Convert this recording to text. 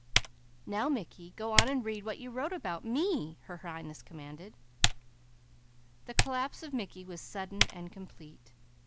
"Now Mickey, go on and read what you wrote about me," her Highness commanded. The collapse of Mickey was sudden and complete.